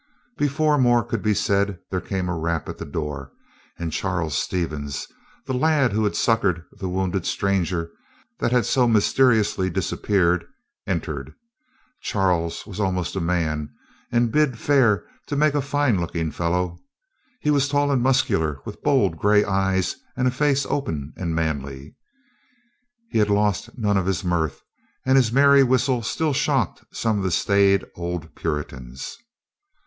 Before more could be said, there came a rap at the door, and Charles Stevens, the lad who succored the wounded stranger that had so mysteriously disappeared, entered. Charles was almost a man, and bid fair to make a fine looking fellow. He was tall and muscular, with bold gray eyes and a face open and manly. He had lost none of his mirth, and his merry whistle still shocked some of the staid old Puritans.